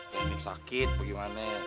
teknik sakit bagaimana